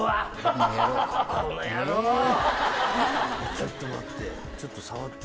ちょっと待って。